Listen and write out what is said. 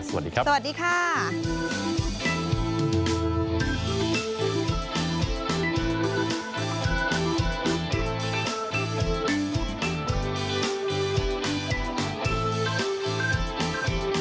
สวัสดีครับสวัสดีค่ะ